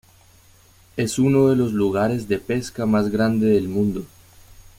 Es uno de los lugares de pesca más grande del mundo.